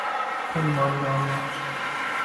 پیمان نامه